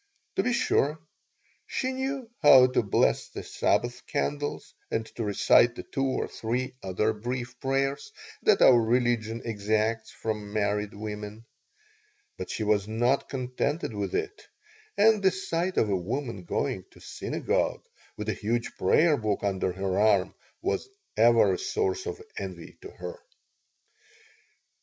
To be sure, she knew how to bless the Sabbath candles and to recite the two or three other brief prayers that our religion exacts from married women. But she was not contented with it, and the sight of a woman going to synagogue with a huge prayer book under her arm was ever a source of envy to her.